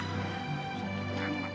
suki banget kali ini